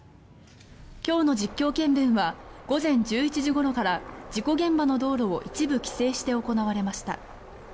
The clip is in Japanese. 今日の実況見分は午前１１時ごろから事故現場の道路を一部規制して行われました。